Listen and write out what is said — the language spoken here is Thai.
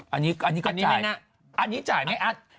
อันนี้ก็จ่ายนะอันนี้จ่ายไม่อัด